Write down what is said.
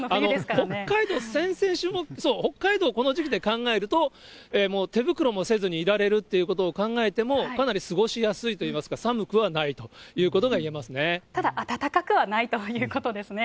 北海道、先々週も、そう、北海道、この時期で考えると、もう手袋もせずにいられるということを考えても、かなり過ごしやすいといいますか、寒くはないということが言えますただ、暖かくはないということですね。